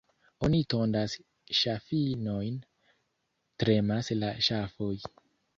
Oni tondas ŝafinojn, — tremas la ŝafoj.